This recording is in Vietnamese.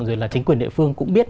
rồi là chính quyền địa phương cũng biết